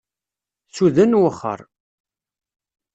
Suden, wexxer.